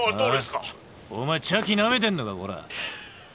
あ？お前茶器なめてんのかこら！